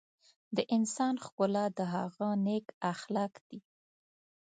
د انسان ښکلا د هغه نیک اخلاق دي.